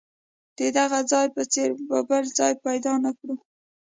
د دغه ځای په څېر به بل ځای پیدا نه کړو.